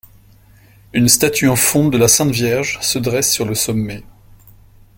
Une statue en fonte de la Sainte-Vierge se dresse sur le sommet.